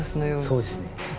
そうですね。